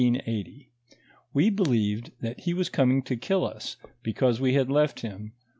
We believed that he was coming to kill us, because we had left him.